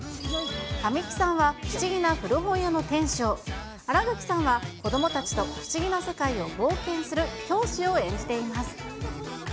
神木さんは不思議な古本屋の店主を、新垣さんは子どもたちと不思議な世界を冒険する教師を演じています。